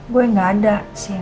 gue gak ada sih